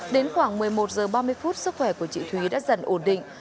đến khoảng một mươi một h ba mươi phút sức khỏe của chị thúy đã dần ổn định